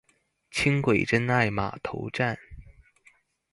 輕軌真愛碼頭站